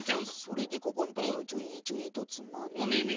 それでここんところをちょいちょいとつまんで。